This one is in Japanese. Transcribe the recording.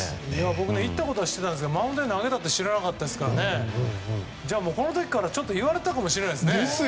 僕行ったことは知ってたんですけどマウンドで投げたことは知らなかったのでじゃあ、この時から言われていたかもしれないですね。